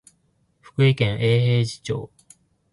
福井県永平寺町